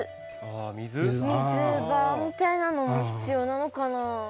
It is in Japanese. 水場みたいなのも必要なのかなぁ。